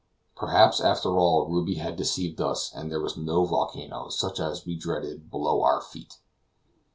Perhaps, after all, Ruby had deceived us and there was no volcano, such as we dreaded, below our feet.